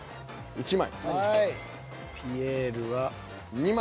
１枚。